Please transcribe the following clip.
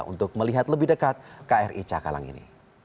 untuk melihat lebih dekat kri cakalang ini